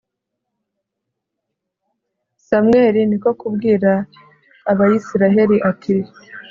samweli ni ko kubwira abayisraheli, ati